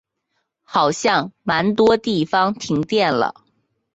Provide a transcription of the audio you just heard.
好像蛮多地方停电了